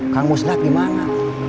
kamu sudah gimana